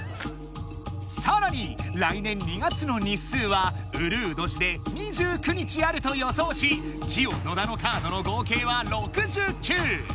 さらに「来年２月の日数」はうるう年で２９日あると予想しジオ野田のカードの合計は６９。